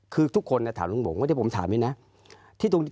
คือทุกคนถามลุงหมงว่าที่ผมถามเนี่ยนะ